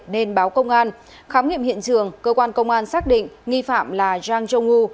nên báo công an khám nghiệm hiện trường cơ quan công an xác định nghi phạm là zhang zhongwu